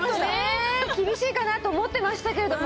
厳しいかなと思ってましたけれども。